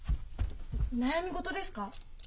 悩み事ですか？